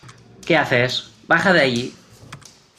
¿ Qué haces? ¡ baja de ahí!